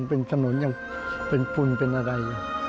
เป็นสนุนเป็นฟุนเป็นอะไร